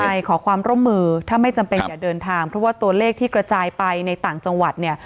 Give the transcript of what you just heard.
ใช่ขอความร่วมมือถ้าไม่จำเป็นอย่าเดินทางเพราะว่าตัวเลขที่กระจายไปในต่างจังหวัดเนี่ย